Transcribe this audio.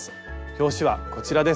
表紙はこちらです。